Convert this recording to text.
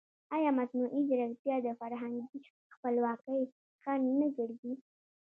ایا مصنوعي ځیرکتیا د فرهنګي خپلواکۍ خنډ نه ګرځي؟